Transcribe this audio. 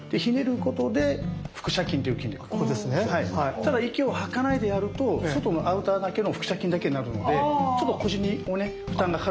ただ息を吐かないでやると外のアウターだけの腹斜筋だけになるのでちょっと腰に負担がかかる部分があるので。